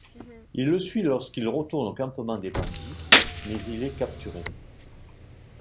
Il le suit lorsqu'il retourne au campement des bandits, mais il est capturé.